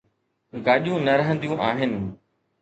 گاڏيون نه رهنديون آهن.